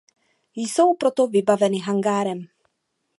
Jsou proto vybaveny hangárem.